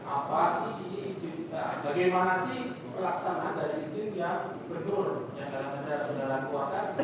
apa sih ini bagaimana sih pelaksanaan dari izin yang betul yang anda sudah lakukan